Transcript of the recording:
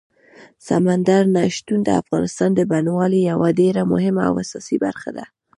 سمندر نه شتون د افغانستان د بڼوالۍ یوه ډېره مهمه او اساسي برخه ده.